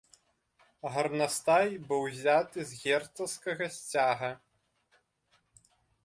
Гарнастай быў узяты з герцагскага сцяга.